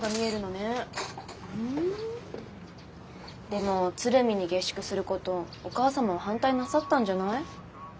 でも鶴見に下宿することお母様は反対なさったんじゃない？